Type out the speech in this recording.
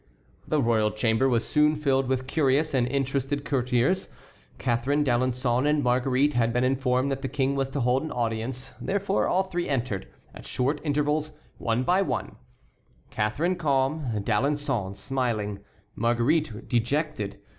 The royal chamber was soon filled with curious and interested courtiers. Catharine, D'Alençon, and Marguerite had been informed that the King was to hold an audience. Therefore all three entered, at short intervals, one by one; Catharine calm, D'Alençon smiling, Marguerite dejected.